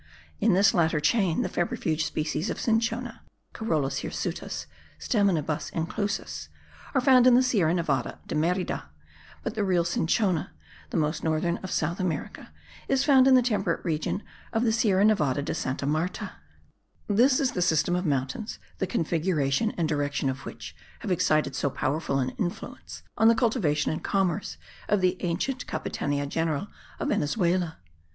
In this latter chain, the febrifuge species of cinchona (corollis hirsutis, staminibus inclusis) are found in the Sierra Nevada de Merida; but the real cinchona, the most northern of South America, is found in the temperate region of the Sierra Nevada de Santa Marta. 3. LITTORAL CHAIN OF VENEZUELA. This is the system of mountains the configuration and direction of which have excited so powerful an influence on the cultivation and commerce of the ancient Capitania General of Venezuela.